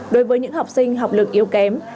đối với những học sinh học lực yếu kém